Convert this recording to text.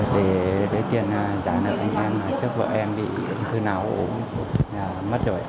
để tiền giả nợ anh em trước vợ em bị thư nào cũng mất rồi